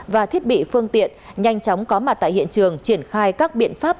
và thiết bị phương tiện nhanh chóng có mặt tại hiện trường triển khai các biện pháp